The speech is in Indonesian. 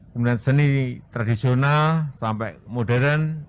kemudian seni tradisional sampai modern